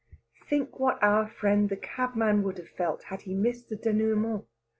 Think what our friend the cabman would have felt had he missed the dénouement!